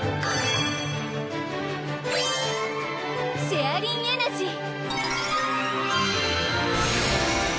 シェアリンエナジー！